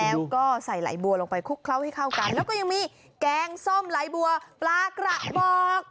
แล้วก็ใส่ไหลบัวลงไปคลุกเคล้าให้เข้ากันแล้วก็ยังมีแกงส้มไหลบัวปลากระบอก